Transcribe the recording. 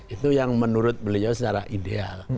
itu yang menurut beliau secara ideal